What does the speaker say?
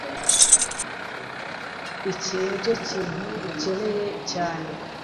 iki nicyo kintu ukeneye cyane